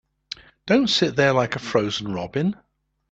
Don't sit there like a frozen robin.